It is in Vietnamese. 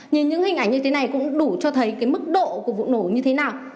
nhìn những hình ảnh như thế này cũng đủ cho thấy cái mức độ của vụ nổ như thế nào